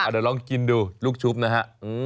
เดี๋ยวลองกินดูลูกชุบนะฮะ